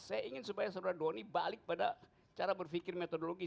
saya ingin supaya saudara doni balik pada cara berpikir metodologis